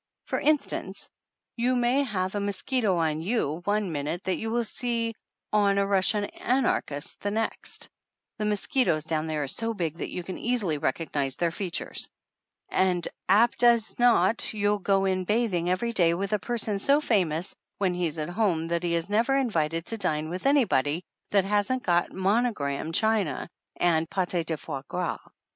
For instance, you may have a mos quito on you one minute that you will see on a Russian anarchist the next. The mosquitoes down there are so big that you can easily recog nize their features. And apt as not you'll go in bathing every day with a person so famous when he's at home that he is never invited to dine with anybody that hasn't got monogram china and pate de foie gras.